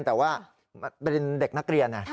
แต่ว่าเป็นเด็กนักเรียน